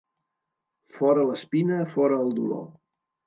Fora l'espina, fora el dolor.